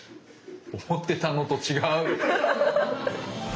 思ってたのと違う。